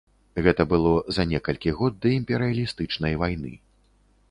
Гэта было за некалькі год да імперыялістычнай вайны.